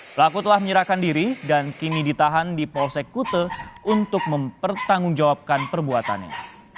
pelaku telah menyerahkan diri dan kini ditahan di polsek kute untuk mempertanggungjawabkan perbuatannya